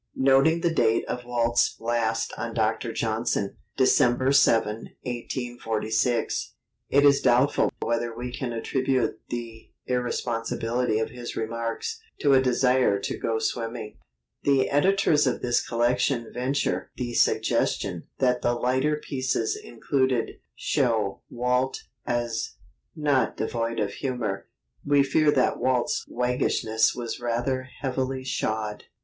Noting the date of Walt's blast on Doctor Johnson (December 7, 1846), it is doubtful whether we can attribute the irresponsibility of his remarks to a desire to go swimming. The editors of this collection venture the suggestion that the lighter pieces included show Walt as "not devoid of humour." We fear that Walt's waggishness was rather heavily shod.